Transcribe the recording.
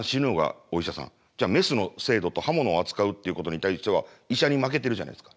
じゃあメスの精度と刃物を扱うっていうことに対しては医者に負けてるじゃないですか。